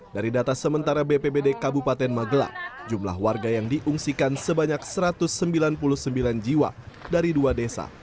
dari data sementara bpbd kabupaten magelang jumlah warga yang diungsikan sebanyak satu ratus sembilan puluh sembilan jiwa dari dua desa